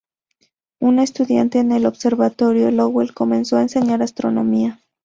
Una estudiante en el Observatorio Lowell comenzó a enseñar astronomía.